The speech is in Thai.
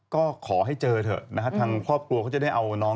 ก็ขอให้เจอเถอะนะฮะทางครอบครัวเขาจะได้เอาน้อง